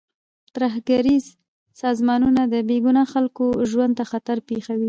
ترهګریز سازمانونه د بې ګناه خلکو ژوند ته خطر پېښوي.